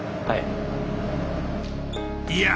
はい。